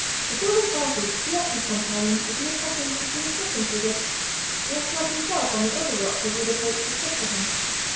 Before they parted he asked his companion if he had happened to see a second figure, dressed like himself on the other rock as he had approached to succour him.